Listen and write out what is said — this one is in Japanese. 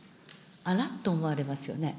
あらっと思われますよね。